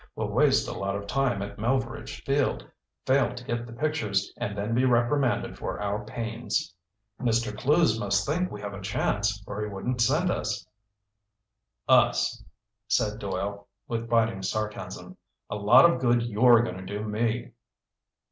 "We'll waste a lot of time at Melveredge Field, fail to get the pictures, and then be reprimanded for our pains." "Mr. Clewes must think we have a chance or he wouldn't send us." "Us," said Doyle with biting sarcasm. "A lot of good you're going to do me!"